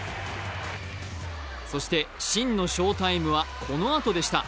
そして、真の翔タイムはこのあとでした。